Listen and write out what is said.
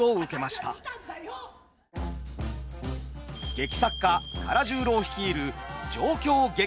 劇作家唐十郎率いる状況劇場。